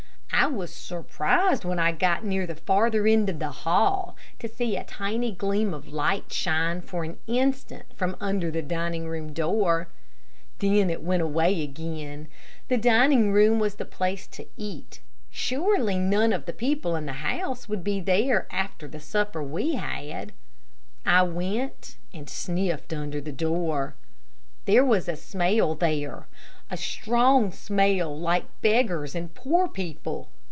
I was surprised when I got near the farther end of the hall, to see a tiny gleam of light shine for an instant from under the dining room door. Then it went away again. The dining room was the place to eat. Surely none of the people in the house would be there after the supper we had. I went and sniffed under the door. There was a smell there; a strong smell like beggars and poor people.